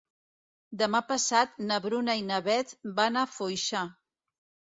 Demà passat na Bruna i na Beth van a Foixà.